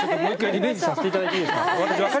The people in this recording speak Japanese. リベンジさせていただいていいですか？